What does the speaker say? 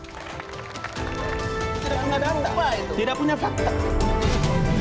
tidak punya dampak tidak punya fakta